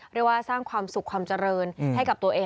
เรียกว่าสร้างความสุขความเจริญให้กับตัวเอง